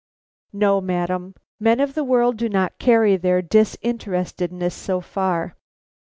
"No, madam. Men of the world do not carry their disinterestedness so far.